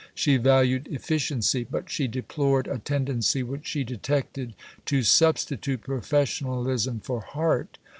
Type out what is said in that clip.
She valued efficiency, but she deplored a tendency which she detected to substitute professionalism for heart.